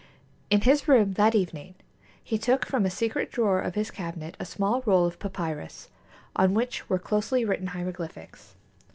In his room that evening he took from a secret drawer of his cabinet a small roll of papyrus, on which were closely written hieroglyphics.